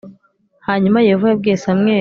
Hanyuma Yehova yabwiye Samweli